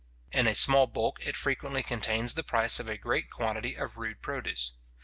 In a small bulk it frequently contains the price of a great quantity of rude produce.